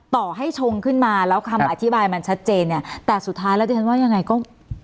ต่อให้ชงขึ้นมาแล้วคำอธิบายมันชัดเจนเนี่ยแต่สุดท้ายแล้วดิฉันว่ายังไงก็